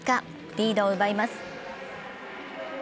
リードを奪います。